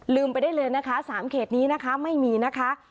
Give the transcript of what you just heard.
ไปได้เลยนะคะ๓เขตนี้นะคะไม่มีนะคะ